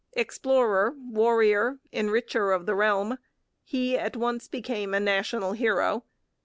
Explorer, warrior, enricher of the realm, he at once became a national hero.